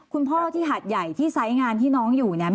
คุณพ่อที่หาดใหญ่ที่ไซส์งานที่น้องอยู่เนี่ย